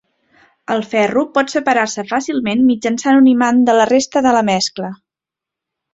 El ferro pot separar-se fàcilment mitjançant un imant de la resta de la mescla.